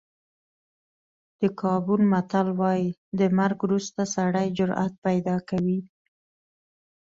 د ګابون متل وایي د مرګ وروسته سړی جرأت پیدا کوي.